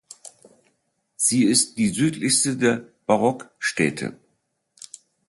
Sie ist die südlichste der "Barock-Städte".